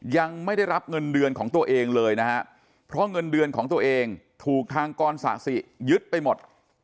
ยังไม่ได้รับเงินเดือนของตัวเองเลยนะฮะเพราะเงินเดือนของตัวเองถูกทางกรศาสิยึดไปหมด